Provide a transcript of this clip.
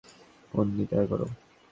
পোন্নি, দয়া করো।